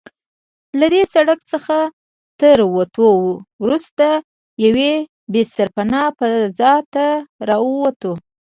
له دې سړک څخه له وتو وروسته یوې بې سرپنا فضا ته راووتو.